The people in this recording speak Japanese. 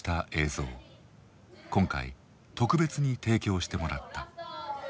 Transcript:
今回特別に提供してもらった。